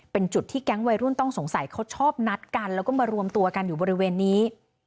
เป็นจุดที่แก๊งวัยรุ่นต้องสงสัยเขาชอบนัดกันแล้วก็มารวมตัวกันอยู่บริเวณนี้